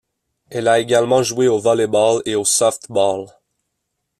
Elle a également joué au volley-ball et au softball.